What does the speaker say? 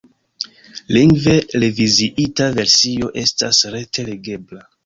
Lingve reviziita versio estas rete legebla.